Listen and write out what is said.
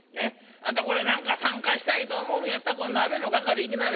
あんたこれ何か参加したいと思うんやったら鍋の係いきなはれ。